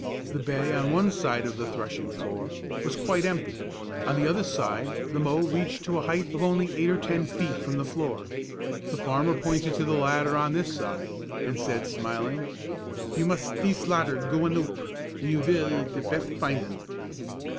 The bay on one side of the threshing floor, was quite empty; on the other side the mow reached to a height of only eight or ten feet from the floor. The farmer pointed to the ladder on this side, and said smiling, "You must dees latter goen oop, und you vill de bett finden."